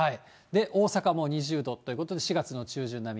大阪も２０度ということで４月の中旬並み。